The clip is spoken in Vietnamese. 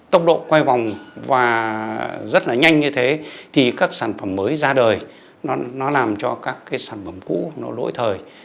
tốc độ quay vòng và rất là nhanh như thế thì các sản phẩm mới ra đời nó làm cho các cái sản phẩm cũ nó lỗi thời